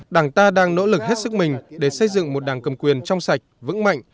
đảng ta đang nỗ lực hết sức mình để xây dựng một đảng cầm quyền trong sạch vững mạnh